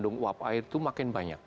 kandung uap air itu makin banyak